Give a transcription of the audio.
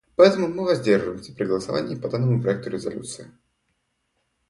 Поэтому мы воздержимся при голосовании по данному проекту резолюции.